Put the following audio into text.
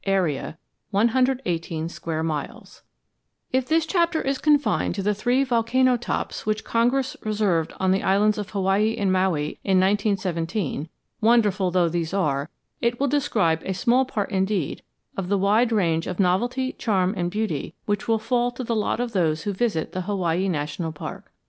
AREA, 118 SQUARE MILES If this chapter is confined to the three volcano tops which Congress reserved on the islands of Hawaii and Maui in 1917, wonderful though these are, it will describe a small part indeed of the wide range of novelty, charm, and beauty which will fall to the lot of those who visit the Hawaii National Park.